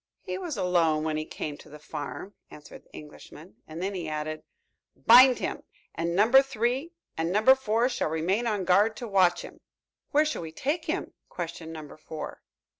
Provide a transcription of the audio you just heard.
"He was alone when he came to the farm," answered the Englishman. And then he added: "Bind him, and Number Three and Number Four shall remain on guard to watch him." "Where shall we take him?" questioned Number Four.